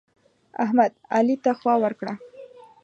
احمد؛ علي ته خوا ورکړه.